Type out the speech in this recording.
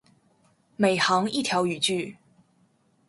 每行一条语句